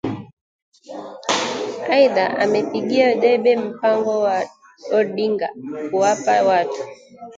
Aidha amepigia debe mpango wa Odinga kuwapa watu